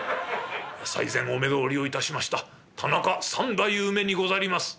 最前お目通りを致しました田中三太夫めにござります」。